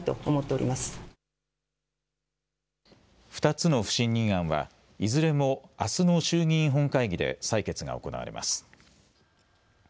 ２つの不信任案はいずれもあすの衆議院本会議で採決が行われます。